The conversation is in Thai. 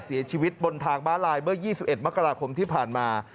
เสียชีวิตบนทางม้าลายเมื่อ๒๑มกราคมที่ผ่านมา